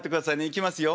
いきますよ。